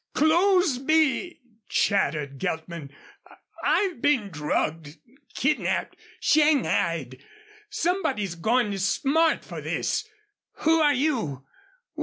"C clothes be " chattered Geltman. "I've been drugged, kidnapped, and shanghaied! Somebody's going to smart for this. Who are you?